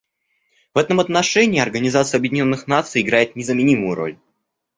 В этом отношении Организация Объединенных Наций играет незаменимую роль.